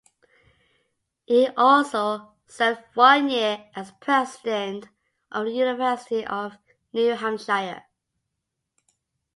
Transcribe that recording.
He also served one year as president of the University of New Hampshire.